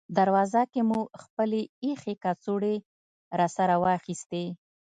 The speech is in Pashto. دروازه کې مو خپلې اېښې کڅوړې راسره واخیستې.